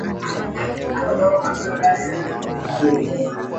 Andaa kuni kwa ajili ya kupika viazi lishe